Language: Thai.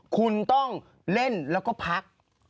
คุณต้องเล่นแล้วก็พัก